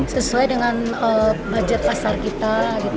sesuai dengan budget pasar kita